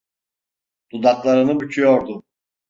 Dudaklarını büküyordu.